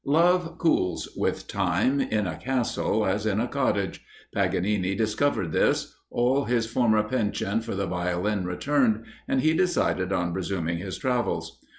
Love cools with time in a castle as in a cottage. Paganini discovered this; all his former penchant for the Violin returned, and he decided on resuming his travels.